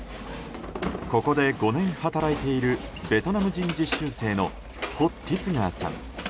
ここで５年働いているベトナム人実習生のホ・ティツガーさん。